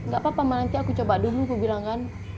gak papa nanti aku coba dulu aku bilang kan